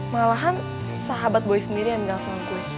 malahan sahabat boy sendiri yang bilang sama gue